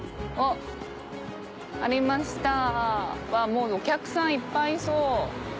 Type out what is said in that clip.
もうお客さんいっぱいいそう。